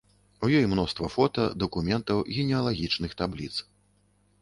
У ёй мноства фота, дакументаў, генеалагічных табліц.